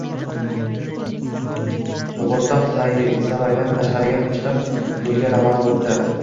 bo'g'irsoq saroydan tashqariga chiqib yo’lga ravona bo’libdi